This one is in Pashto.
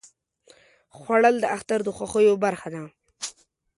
خوړل د اختر د خوښیو برخه ده